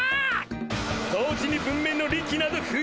掃除に文明の利器など不要だ！